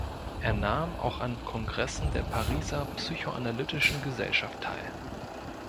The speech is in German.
Er nahm auch an Kongressen der Pariser Psychoanalytischen Gesellschaft teil.